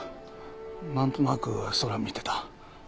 なんとなく空見てた。